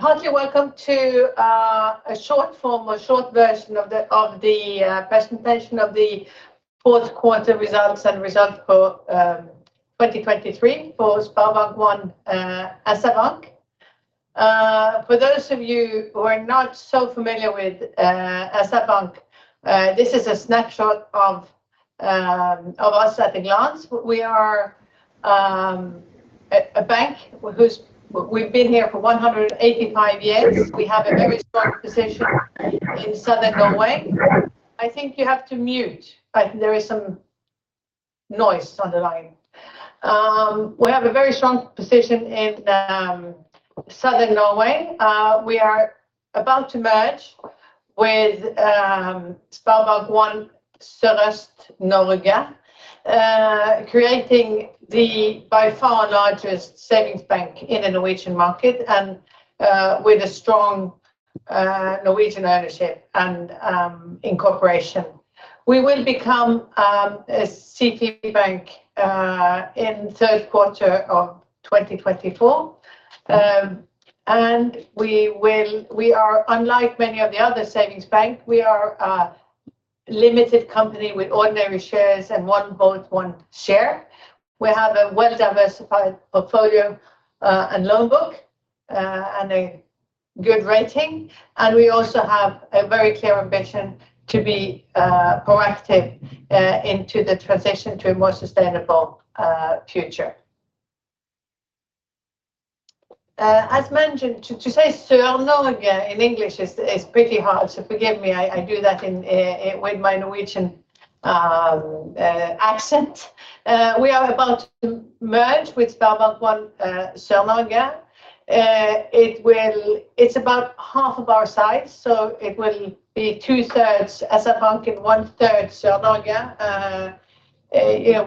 Heartily welcome to a short form or short version of the presentation of the fourth quarter results and results for 2023 for SpareBank 1 SR-Bank. For those of you who are not so familiar with SR-Bank, this is a snapshot of us at a glance. We are a bank whose we've been here for 185 years. We have a very strong position in Southern Norway. I think you have to mute. There is some noise on the line. We have a very strong position in Southern Norway. We are about to merge with SpareBank 1 Sørøst-Norge creating the by far largest savings bank in the Norwegian market and with a strong Norwegian ownership and incorporation. We will become a SIFI bank in third quarter of 2024. We are unlike many of the other savings bank, we are a limited company with ordinary shares and one vote one share. We have a well-diversified portfolio and loan book and a good rating, and we also have a very clear ambition to be proactive into the transition to a more sustainable future. As mentioned, to say SR-Bank in English is pretty hard, so forgive me. I do that in with my Norwegian accent. We are about to merge with SpareBank 1 SR-Bank. It's about half of our size, so it will be two-thirds SR-Bank and one-third SR-Bank.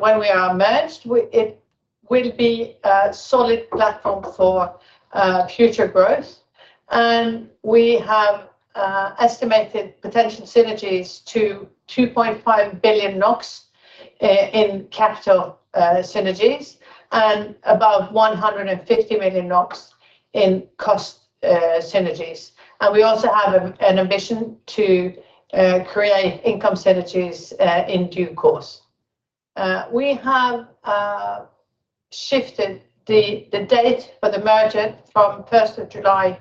When we are merged, we... It will be a solid platform for future growth. And we have estimated potential synergies to 2.5 billion NOK in capital synergies, and about 150 million NOK in cost synergies. And we also have an ambition to create income synergies in due course. We have shifted the date for the merger from first of July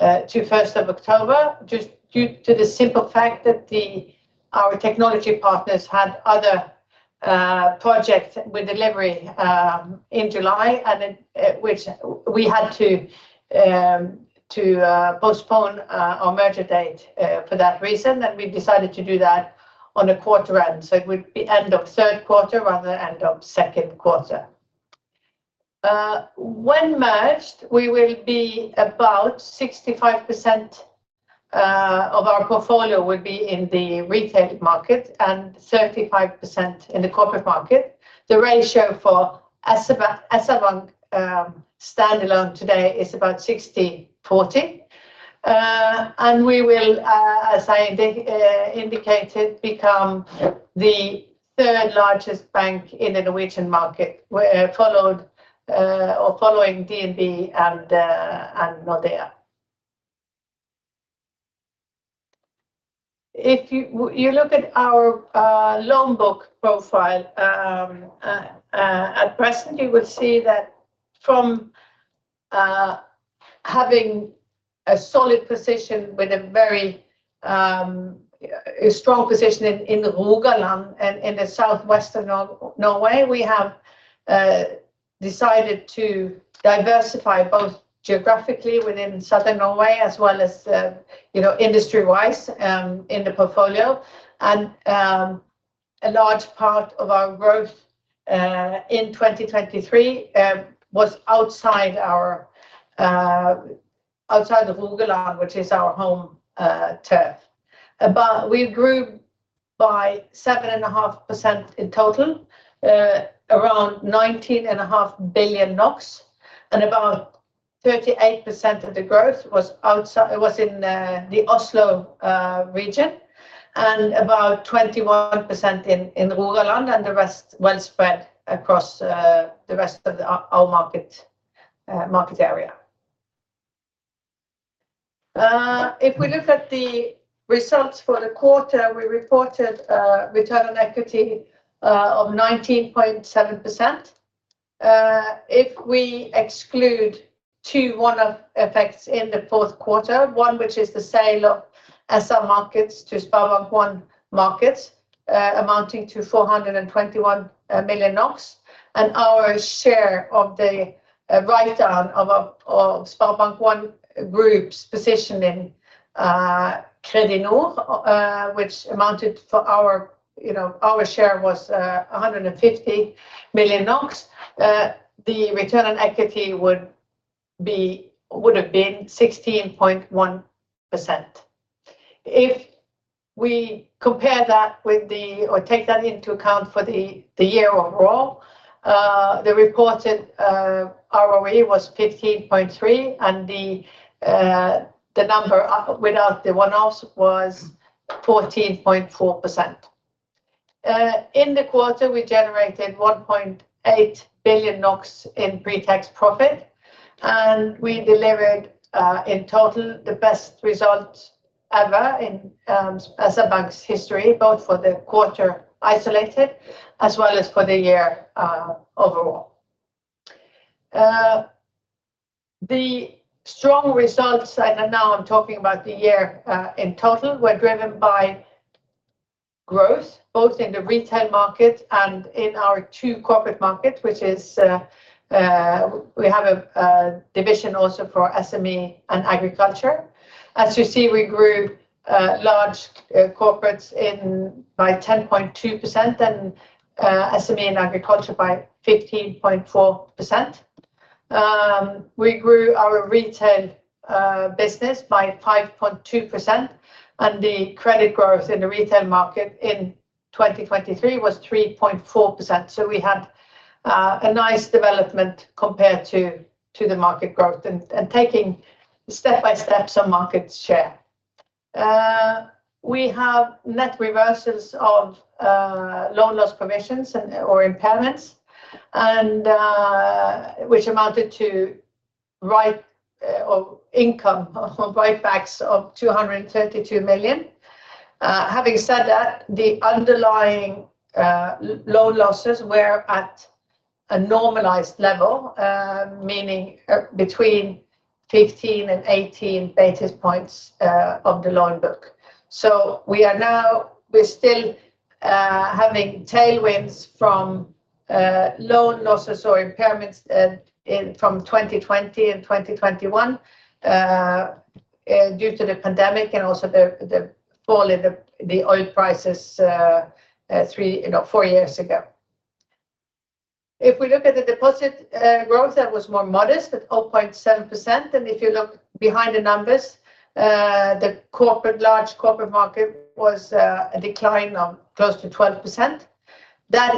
to first of October, just due to the simple fact that our technology partners had other projects with delivery in July, and then which we had to postpone our merger date for that reason. And we've decided to do that on a quarter end, so it would be end of third quarter rather than end of second quarter. When merged, we will be about 65% of our portfolio will be in the retail market and 35% in the corporate market. The ratio for SR-Bank standalone today is about 60/40. And we will, as I indicated, become the third largest bank in the Norwegian market, where followed or following DNB and Nordea. If you look at our loan book profile at present, you will see that from having a solid position with a very a strong position in the Rogaland and in the southwestern Norway, we have decided to diversify both geographically within Southern Norway as well as you know, industry-wise, in the portfolio. A large part of our growth in 2023 was outside of Rogaland, which is our home turf. But we grew by 7.5% in total, around 19.5 billion NOK, and about 38% of the growth was outside—was in the Oslo region, and about 21% in Rogaland, and the rest well spread across the rest of our market area. If we look at the results for the quarter, we reported a return on equity of 19.7%. If we exclude two one-off effects in the fourth quarter, one, which is the sale of SR Markets to SpareBank 1 Markets, amounting to 421 million NOK, and our share of the write down of SpareBank 1 Gruppen's position in Kredinor, which amounted for our, you know, our share was a 150 million NOK, the return on equity would have been 16.1%. If we compare that with the or take that into account for the year overall, the reported ROE was 15.3%, and the number up without the one-offs was 14.4%. In the quarter, we generated 1.8 billion NOK in pre-tax profit, and we delivered, in total, the best result ever in SR-Bank history, both for the quarter isolated as well as for the year, overall. The strong results, and now I'm talking about the year, in total, were driven by growth, both in the retail market and in our two corporate markets, which is, we have a division also for SME and agriculture. As you see, we grew large corporates in by 10.2% and, SME and agriculture by 15.4%. We grew our retail business by 5.2%, and the credit growth in the retail market in 2023 was 3.4%. So we had a nice development compared to the market growth and taking step-by-steps on market share. We have net reversals of loan loss provisions and/or impairments, which amounted to write-back income, write-backs of 232 million. Having said that, the underlying loan losses were at a normalized level, meaning between 15 and 18 basis points of the loan book. So we are now—we're still having tailwinds from loan losses or impairments from 2020 and 2021 due to the pandemic and also the fall in the oil prices four years ago. If we look at the deposit growth, that was more modest at 0.7%, and if you look behind the numbers, the corporate, large corporate market was a decline of close to 12%. That,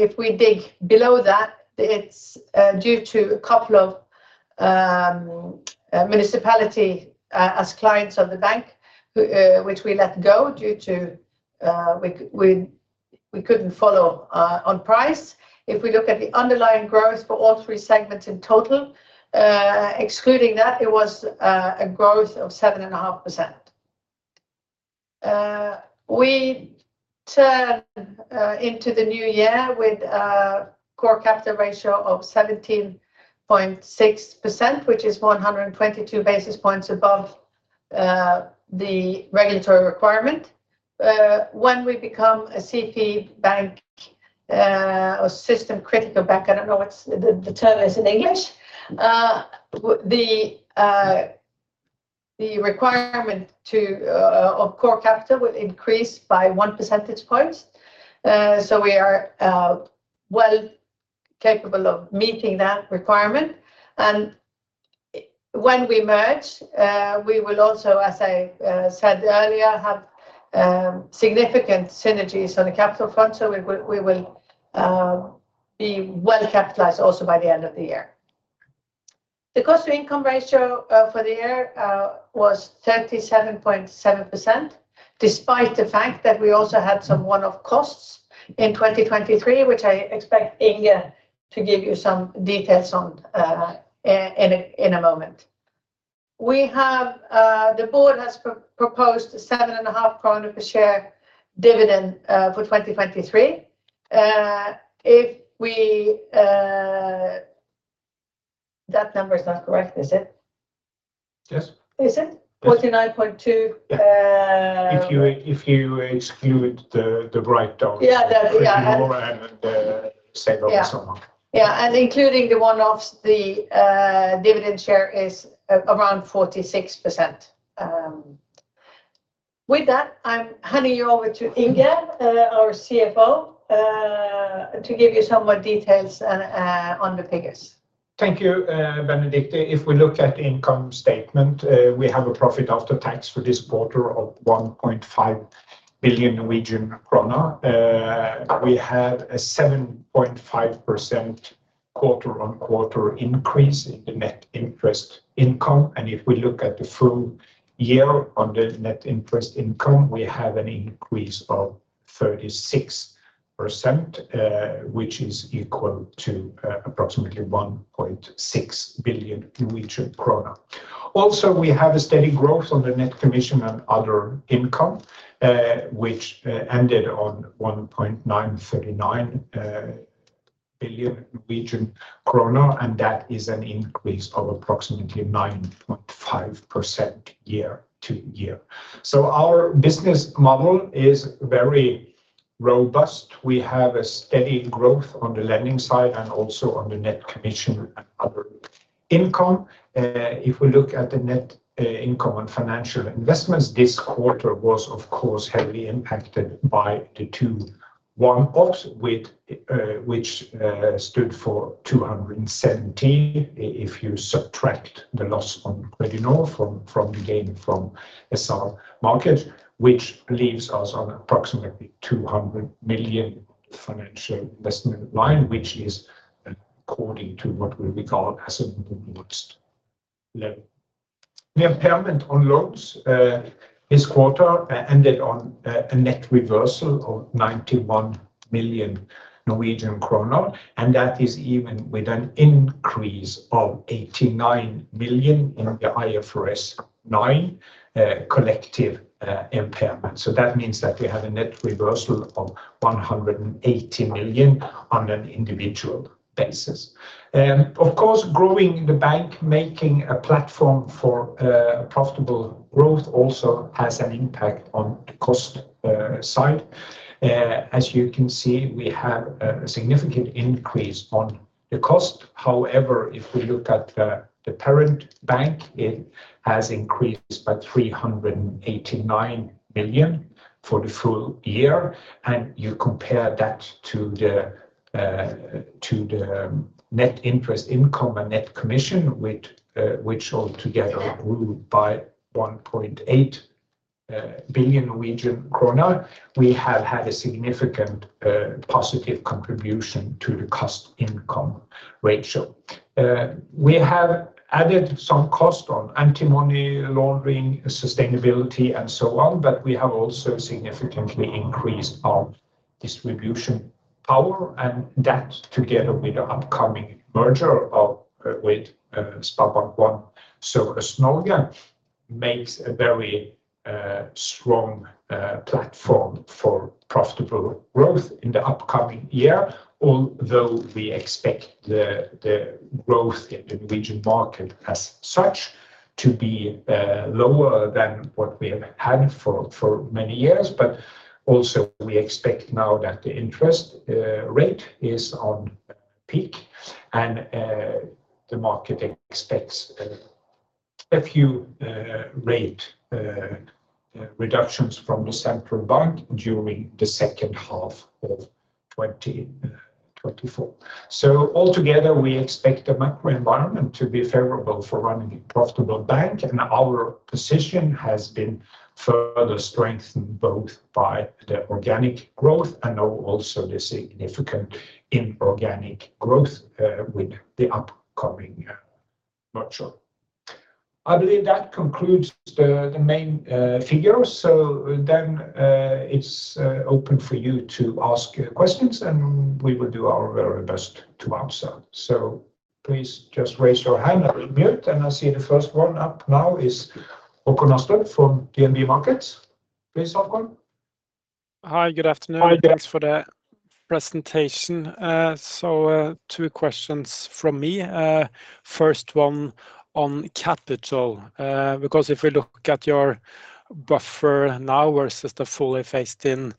if we dig below that, it's due to a couple of municipality as clients of the bank, which we let go due to we couldn't follow on price. If we look at the underlying growth for all three segments in total, excluding that, it was a growth of 7.5%. We turn into the new year with a core capital ratio of 17.6%, which is 122 basis points above the regulatory requirement. When we become a CP bank, or system critical bank, I don't know what's the term is in English, the requirement of core capital will increase by 1 percentage point. So we are well capable of meeting that requirement. And when we merge, we will also, as I said earlier, have significant synergies on the capital front, so we will be well capitalized also by the end of the year. The cost to income ratio for the year was 37.7%, despite the fact that we also had some one-off costs in 2023, which I expect Inge to give you some details on in a moment. We have... The board has proposed a 7.5 kroner per share dividend for 2023. That number is not correct, is it? Yes. Is it? Yes. 49.2, If you exclude the write-down- Yeah, that The sale of some. Yeah, and including the one-offs, the dividend share is around 46%. With that, I'm handing you over to Inge, our CFO, to give you some more details on the figures. Thank you, Benedicte. If we look at income statement, we have a profit after tax for this quarter of 1.5 billion Norwegian krone. We have a 7.5% quarter-on-quarter increase in the net interest income. And if we look at the full year on the net interest income, we have an increase of 36%, which is equal to approximately 1.6 billion Norwegian krone. Also, we have a steady growth on the net commission and other income, which ended on 1.939 billion kroner, and that is an increase of approximately 9.5% year-on-year. So our business model is very robust. We have a steady growth on the lending side and also on the net commission and other income. If we look at the net income on financial investments, this quarter was of course heavily impacted by the two one-offs, with which stood for 270 million, if you subtract the loss on Kredinor from the gain from SR Markets, which leaves us on approximately 200 million financial investment line, which is according to what we would call as a modest level. The impairment on loans this quarter ended on a net reversal of 91 million Norwegian kroner, and that is even with an increase of 89 million in the IFRS 9 collective impairment. So that means that we have a net reversal of 180 million on an individual basis. And of course, growing the bank, making a platform for profitable growth also has an impact on the cost side. As you can see, we have a significant increase on the cost. However, if we look at the parent bank, it has increased by 389 million for the full year, and you compare that to the net interest income and net commission, which all together grew by 1.8 billion Norwegian kroner, we have had a significant positive contribution to the cost-income ratio. We have added some cost on anti-money laundering, sustainability, and so on, but we have also significantly increased our distribution power, and that, together with the upcoming merger of with SpareBank 1. So Norway makes a very strong platform for profitable growth in the upcoming year, although we expect the growth in the region market as such to be lower than what we have had for many years. But also, we expect now that the interest rate is on peak, and the market expects a few rate reductions from the central bank during the second half of 2024. So altogether, we expect the macro environment to be favorable for running a profitable bank, and our position has been further strengthened, both by the organic growth and now also the significant inorganic growth with the upcoming merger. I believe that concludes the main figures. So then, it's open for you to ask your questions, and we will do our very best to answer. So please just raise your hand, unmute, and I see the first one up now is Håkon Østbye from DNB Markets. Please, Håkon. Hi, good afternoon. Hi. Thanks for the presentation. So, two questions from me. First one on capital, because if we look at your buffer now versus the fully phased-in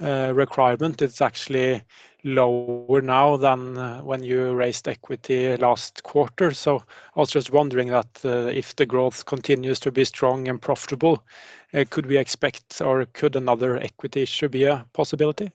requirement, it's actually lower now than when you raised equity last quarter. So I was just wondering that, if the growth continues to be strong and profitable, could we expect or could another equity issue be a possibility?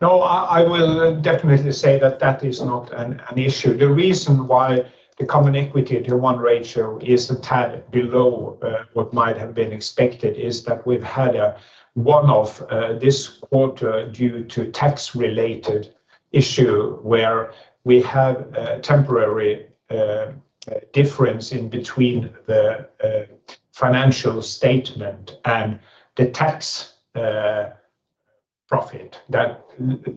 No, I will definitely say that that is not an issue. The reason why the Common Equity Tier 1 ratio is a tad below what might have been expected is that we've had a one-off this quarter due to tax-related issue, where we have a temporary difference in between the financial statement and the tax profit. That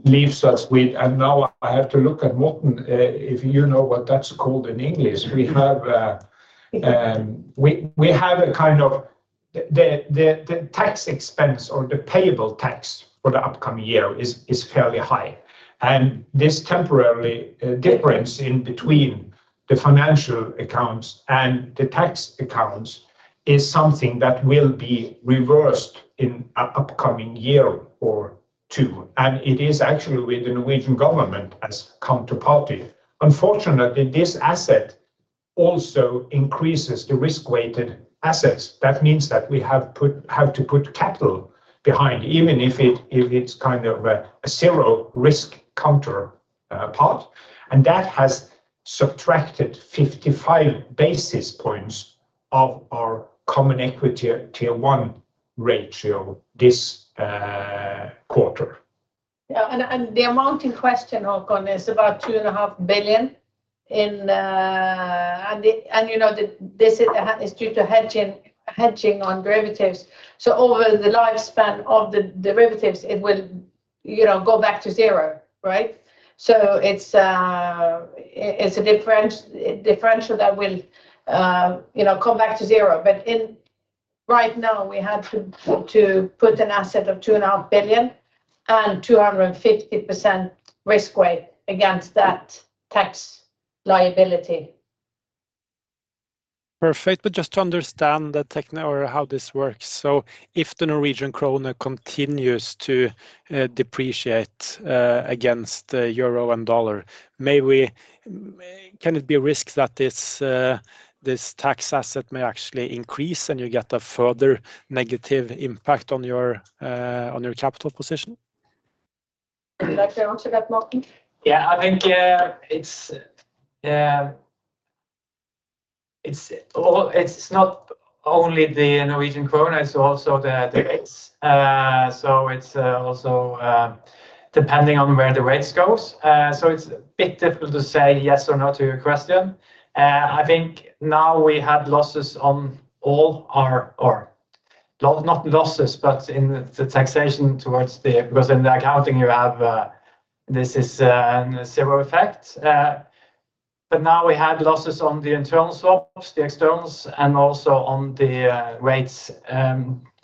leaves us with... And now I have to look at Morten if you know what that's called in English. We have, Yeah. We have a kind of the tax expense or the payable tax for the upcoming year is fairly high. This temporary difference in between the financial accounts and the tax accounts is something that will be reversed in an upcoming year or two, and it is actually with the Norwegian government as counterparty. Unfortunately, this asset also increases the risk-weighted assets. That means that we have to put capital behind, even if it is kind of a zero risk counterparty, and that has subtracted 55 basis points of our Common Equity Tier 1 ratio this quarter. Yeah, and the amount in question, Håkon, is about 2.5 billion. And you know, this is due to hedging, hedging on derivatives. So over the lifespan of the derivatives, it will, you know, go back to zero, right? So it's a differential that will, you know, come back to zero. But right now, we had to put an asset of 2.5 billion and 250% risk weight against that tax liability. Perfect. But just to understand the tech now or how this works. So if the Norwegian kroner continues to depreciate against the euro and dollar, may we can it be a risk that this this tax asset may actually increase, and you get a further negative impact on your on your capital position? Would you like to answer that, Morten? Yeah, I think it's, well, it's not.... only the Norwegian kroner, it's also the rates. So it's also depending on where the rates goes. So it's a bit difficult to say yes or no to your question. I think now we have losses on all our-- or not, not losses, but in the taxation towards the... Because in the accounting, you have this is a zero effect. But now we have losses on the internal swaps, the externals, and also on the rates.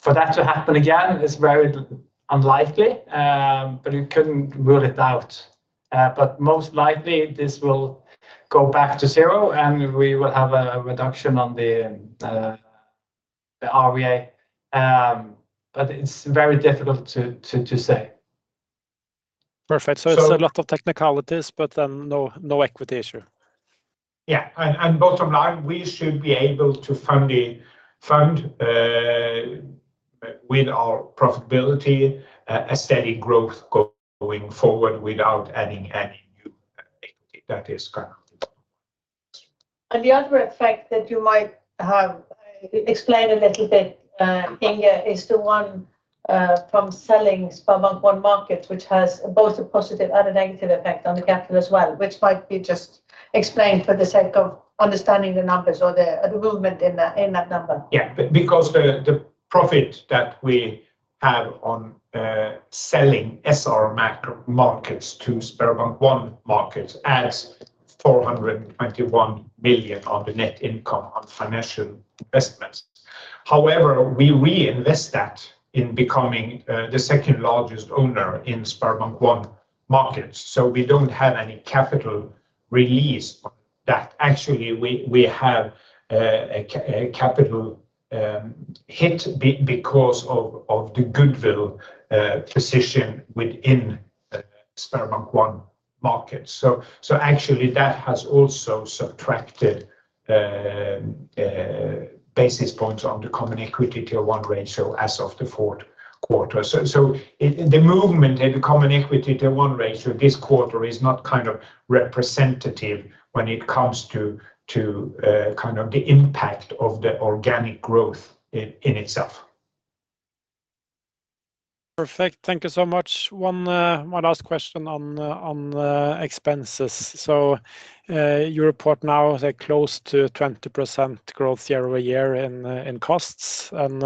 For that to happen again is very unlikely, but you couldn't rule it out. But most likely, this will go back to zero, and we will have a reduction on the RWA. But it's very difficult to say. Perfect. So- So it's a lot of technicalities, but, no, no equity issue. Yeah. And bottom line, we should be able to fund the fund with our profitability, a steady growth going forward without adding any new equity that is currently. And the other effect that you might have explained a little bit, Inge, is the one from selling SpareBank 1 Markets, which has both a positive and a negative effect on the capital as well, which might be just explained for the sake of understanding the numbers or the, the movement in that, in that number. Yeah. But because the profit that we have on selling SR Markets to SpareBank 1 Markets adds 421 million on the net income on financial investments. However, we reinvest that in becoming the second largest owner in SpareBank 1 Markets, so we don't have any capital release. That actually, we have a capital hit because of the goodwill position within SpareBank 1 Markets. So actually, that has also subtracted basis points on the Common Equity Tier 1 ratio as of the fourth quarter. So it. The movement in the Common Equity Tier 1 ratio this quarter is not kind of representative when it comes to kind of the impact of the organic growth in itself. Perfect. Thank you so much. One last question on expenses. So you report now that close to 20% growth year-over-year in costs. And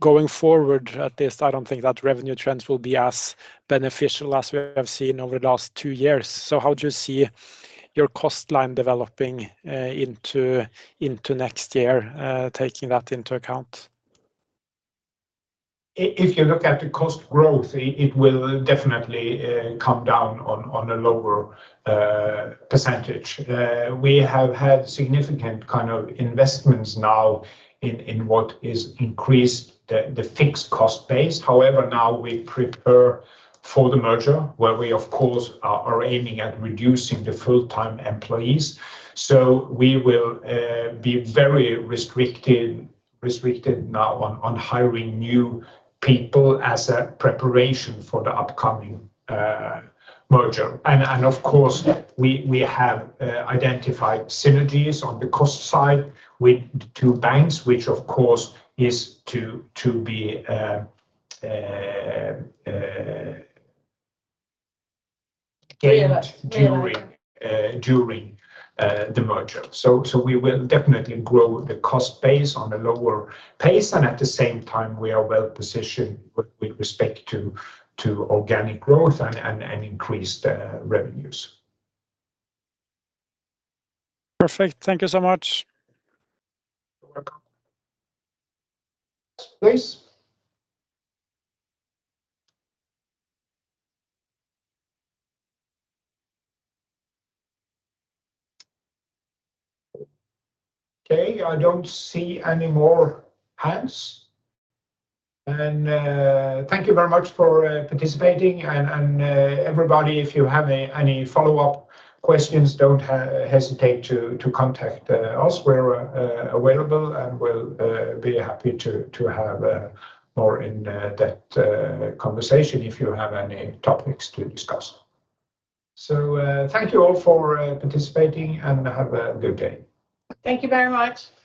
going forward, at least I don't think that revenue trends will be as beneficial as we have seen over the last two years. So how do you see your cost line developing into next year, taking that into account? If you look at the cost growth, it will definitely come down on a lower percentage. We have had significant investments now in what is increased the fixed cost base. However, now we prepare for the merger, where we, of course, are aiming at reducing the full-time employees. So we will be very restricted now on hiring new people as a preparation for the upcoming merger. And of course, we have identified synergies on the cost side with the two banks, which, of course, is to be gained- Yeah... during the merger. So we will definitely grow the cost base on a lower pace, and at the same time, we are well positioned with respect to organic growth and increased revenues. Perfect. Thank you so much. You're welcome. Please. Okay. I don't see any more hands. And, thank you very much for participating. And, everybody, if you have any follow-up questions, don't hesitate to contact us. We're available, and we'll be happy to have more in that conversation if you have any topics to discuss. So, thank you all for participating, and have a good day. Thank you very much.